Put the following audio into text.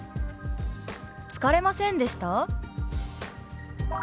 「疲れませんでした？」。